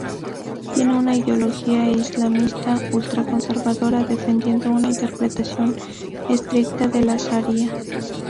Tiene una ideología islamista ultra-conservadora, defendiendo una interpretación estricta de la sharía.